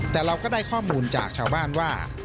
แต่เราก็ได้ข้อมูลจากชาวบ้านว่า